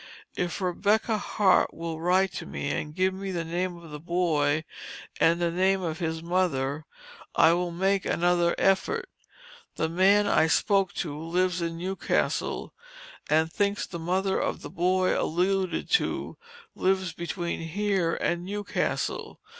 If Rebecca Hart will write to me, and give me the name of the boy, and the name of his mother, I will make another effort. The man I spoke to lives in New Castle, and thinks the mother of the boy alluded to lives between here and New Castle.